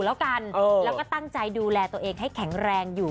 แล้วก็ตั้งใจดูแลตัวเองให้แข็งแรงอยู่